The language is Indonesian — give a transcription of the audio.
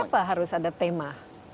kenapa harus ada tema